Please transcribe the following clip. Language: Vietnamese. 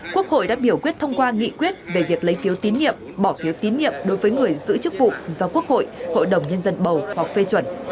quốc hội đã biểu quyết thông qua nghị quyết về việc lấy phiếu tín nhiệm bỏ phiếu tín nhiệm đối với người giữ chức vụ do quốc hội hội đồng nhân dân bầu hoặc phê chuẩn